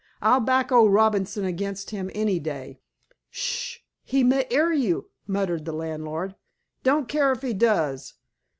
"I'll back old Robinson against him any day." "Sh s sh! He may 'ear you," muttered the landlord. "Don't care if he does.